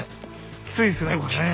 きついですねこれね。